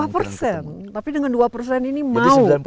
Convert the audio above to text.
dua persen tapi dengan dua persen ini mau investor datang